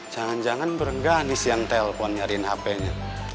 jangan jangan berengganis yang telfon nyariin hp nya